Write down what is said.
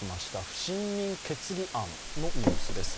不信任決議案のニュースです。